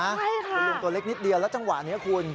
ใช่ค่ะคุณลุงตัวเล็กนิดเดียวแล้วจังหวะนี้คุณ